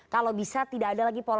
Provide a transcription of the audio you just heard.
kalau bisa tidak ada lagi pola